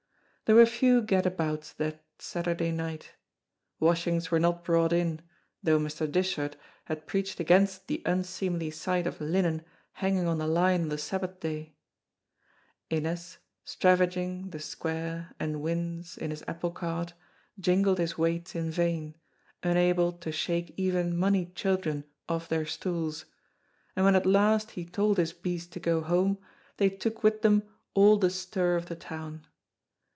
There were few gad abouts that Saturday night. Washings were not brought in, though Mr. Dishart had preached against the unseemly sight of linen hanging on the line on the Sabbath day. Innes, stravaiging the square and wynds in his apple cart, jingled his weights in vain, unable to shake even moneyed children off their stools, and when at last he told his beast to go home they took with them all the stir of the town.